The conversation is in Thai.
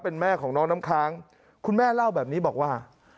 เป็นแม่ของน้องน้ำค้างคุณแม่เล่าแบบนี้บอกว่า